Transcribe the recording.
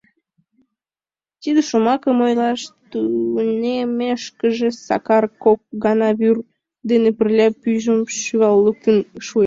Тиде шомакым ойлаш тунеммешкыже Сакар кок гана вӱр дене пырля пӱйжым шӱвал луктын шуыш.